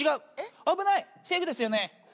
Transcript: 危ない、セーフですよね？